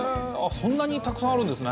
そんなにたくさんあるんですね。